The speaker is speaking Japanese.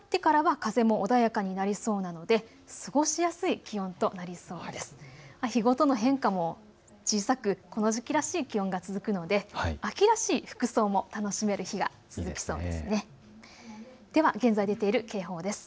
日ごとの変化も小さく、この時期らしい気温が続くので秋らしい服装も楽しめる日が続きそうですね。